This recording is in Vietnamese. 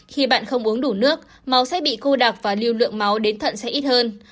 khi bạn không uống đủ nước máu sẽ bị cô đặc và lưu lượng máu đến thận sẽ ít hơn